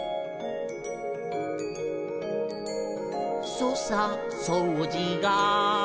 「そうさそうじが」